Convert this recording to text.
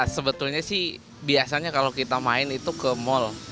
sebetulnya sih biasanya kalau kita main itu ke mall